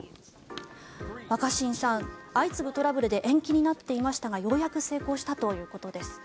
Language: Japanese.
若新さん、相次ぐトラブルで延期になっていましたがようやく成功したということです。